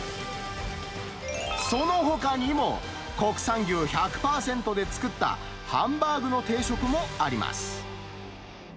そのほかにも、国産牛１００％で作ったハンバーグの定食もあります。